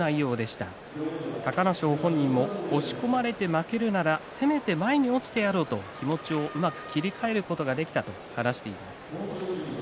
隆の勝にも押し込まれて負けるならせめて前に落ちてやろうと気持ちをうまく切り替えることができたと話しています。